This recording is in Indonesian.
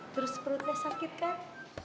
terus perutnya sakit kan